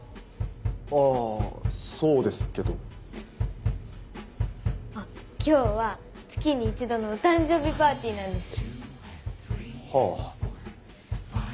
あぁそうですけど。今日は月に一度のお誕生日パーティーなんです。はあ。